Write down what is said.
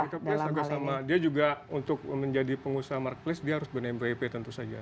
marketplace agak sama dia juga untuk menjadi pengusaha marketplace dia harus benahi mvp tentu saja